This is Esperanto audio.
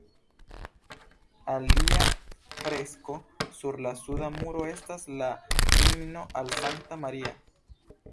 Alia fresko sur la suda muro estas la "Himno al Sankta Maria".